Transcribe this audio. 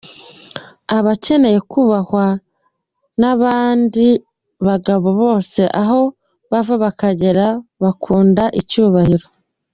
Aba akeneye kubahwa nk’abandi bagabo bose aho bava abakagera bakunda icyubahiro.